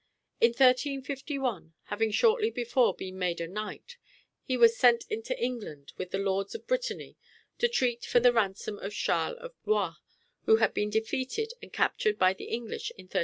In 1351, having shortly before been made a knight, he was sent into England with the lords of Brittany to treat for the ransom of Charles of Blois, who had been defeated and captured by the English in 1347.